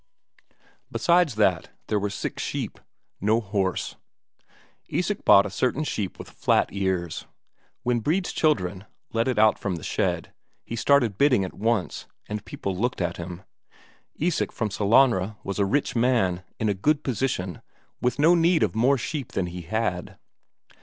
Besides these, there were six sheep. No horse. Isak bought a certain sheep with flat ears. When Brede's children led it out from the shed, he started bidding at once, and people looked at him. Isak from Sellanraa was a rich man, in a good position, with no need of more sheep than he had.